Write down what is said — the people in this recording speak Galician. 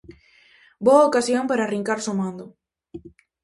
Boa ocasión para arrincar sumando.